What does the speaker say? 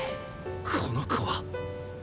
この子は